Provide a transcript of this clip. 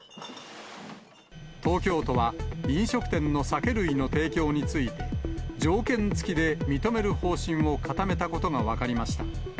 東京都は飲食店の酒類の提供について、条件付きで認める方針を固めたことが分かりました。